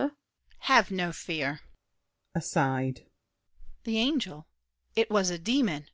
DIDIER. Have no fear. [Aside.] The angel— It was a demon!